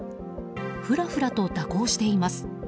ふらふらと蛇行しています。